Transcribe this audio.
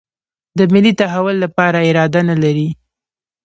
د ملي تحول لپاره اراده نه لري.